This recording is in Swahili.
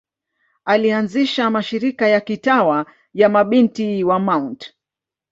Alianzisha mashirika ya kitawa ya Mabinti wa Mt.